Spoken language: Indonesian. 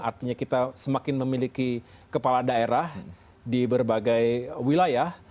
artinya kita semakin memiliki kepala daerah di berbagai wilayah